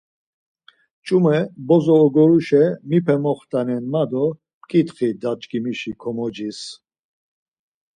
Ç̌ume bozo ogoruşe mipe moxtanen ma do p̌ǩitxi daçkimişi komocis.